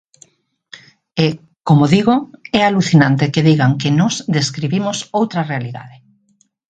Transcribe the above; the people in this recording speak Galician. E, como digo, é alucinante que digan que nós describimos outra realidade.